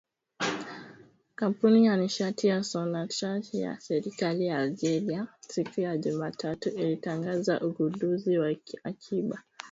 Kampuni ya nishati ya Sonatrach ya serikali ya Algeria siku ya Jumatatu ilitangaza ugunduzi wa akiba muhimu ya gesi katika jangwa la Sahara